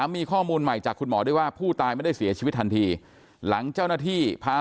๓มีข้อมูลใหม่จากคุณหมอด้วยว่าผู้ตายไม่ได้เสียชีวิตทันที